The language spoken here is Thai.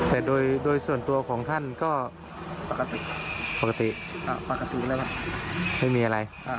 แต่โดยโดยส่วนตัวของท่านก็ปกติปกติอ่าปกติด้วยกันไม่มีอะไรอ่า